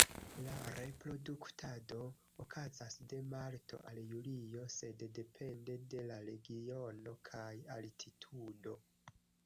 La reproduktado okazas de marto al julio, sed depende de la regiono kaj altitudo.